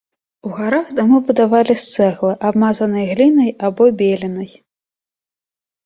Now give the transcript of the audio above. У гарах дамы будавалі з цэглы, абмазанай глінай або беленай.